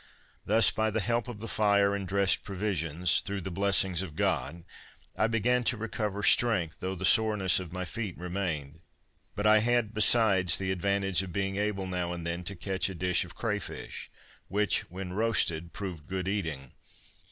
Thus, by the help of the fire, and dressed provisions, through the blessings of God, I began to recover strength, though the soreness of my feet remained. But I had, besides, the advantage of being able now and then to catch a dish of cray fish, which, when roasted, proved good eating.